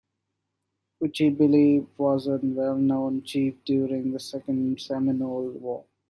Uchee Billy was a well known chief during the Second Seminole War.